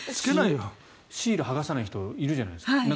シール剥がさない人いるじゃないですか。